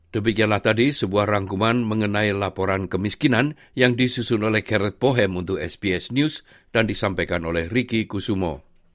demikianlah tadi sebuah rangkuman mengenai laporan kemiskinan yang disusun oleh karet pohem untuk sbs news dan disampaikan oleh riki kusumo